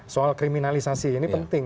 soal kriminalisasi ini penting